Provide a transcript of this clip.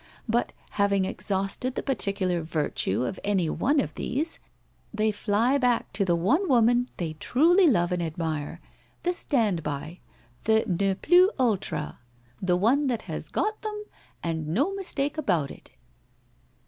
But having exhausted the particular virtue of any one of these, they fly back to the 188 WHITE ROSE OF WEARY LEAF one woman they truly love and admire, the stand by, the nc plus ultra, the one that has got them and no mistake about it